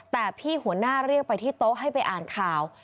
แต่พี่หัวหน้าเรียกไปที่โต๊ะให้ไปอ่านข่าว